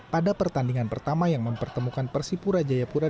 pada pertandingan pertama yang mempertemukan persi pura jayapura